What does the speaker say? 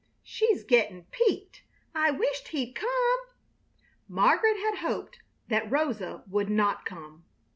"She's gettin' peeked! I wisht he'd come!" Margaret had hoped that Rosa would not come.